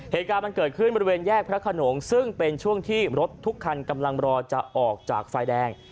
เหตุการณ์มันเกิดขึ้นบริเวณแยกพระขนงซึ่งเป็นช่วงที่รถทุกคันกำลังรอจะออกจากไฟแดง